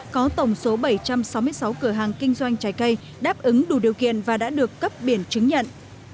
có tổng số bảy trăm sáu mươi sáu cửa hàng kinh doanh trái cây đáp ứng đủ điều kiện và đã được cấp biển chứng nhận